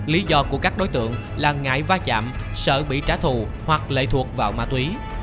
lý do của các đối tượng là ngại va chạm sợ bị trả thù hoặc lệ thuộc vào ma túy